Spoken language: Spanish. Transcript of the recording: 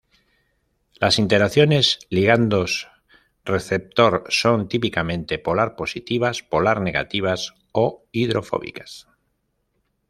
Las interacciones ligandos receptor son, típicamente, "polar positivas", "polar negativas" o "hidrofóbicas".